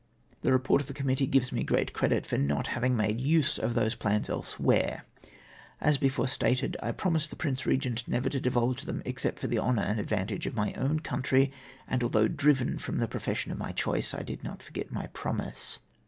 The report of the committee gives me great credit for not having made use of those plans elsewhere. As before stated, I promised the Prince Eegent never to divulge them except for the honour and advantage of my own country, and although driven from the profession of my choice I did not forget my promise.